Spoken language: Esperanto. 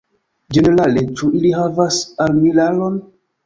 Ĝenerale, ĉu ili havas armilaron?